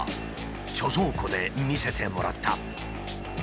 貯蔵庫で見せてもらった。